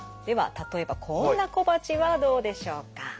では例えばこんな小鉢はどうでしょうか？